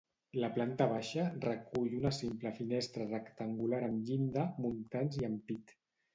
La planta baixa recull una simple finestra rectangular amb llinda, muntants i ampit.